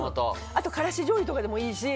あとからしじょうゆとかでもいいし。